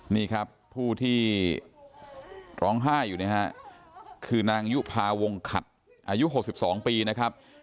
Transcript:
นี่ครับผู้ที่ร้องไห้อยู่นะฮะคือนางยุภาวงขัดอายุ๖๒ปีนะครับ